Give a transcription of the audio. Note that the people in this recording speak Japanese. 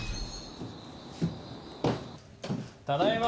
ただいま！